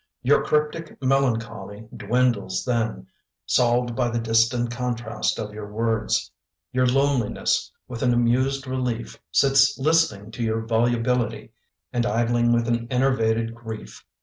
Your cryptic melancholy dwindles then, Solved by the distant contrast of your words. Your loneliness, with an amused relief, Sits listening to your volubility And idling with an enervated grief.